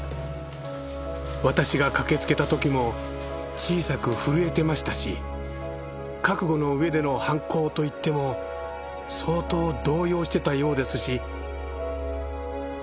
私が駆けつけた時も小さく震えてましたし覚悟の上での犯行といっても相当動揺してたようですし。